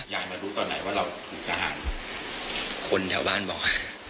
มารู้ตอนไหนว่าเราถูกทหารคนแถวบ้านบอก